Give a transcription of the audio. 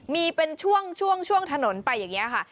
มีเป็นช่วงถนนไปอย่างนี้ค่ะ